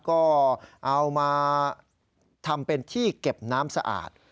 ก็เอามาทำเป็นที่เก็บน้ำสะอาด